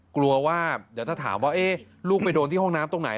กลัวว่าเดี๋ยวถ้าถามว่าลูกไปโดนที่ห้องน้ำตรงไหน